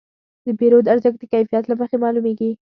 د پیرود ارزښت د کیفیت له مخې معلومېږي.